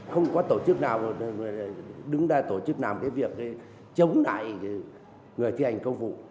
không có tổ chức nào đứng ra tổ chức làm cái việc chống lại người thi hành công vụ